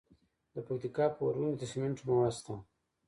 د پکتیکا په ارګون کې د سمنټو مواد شته.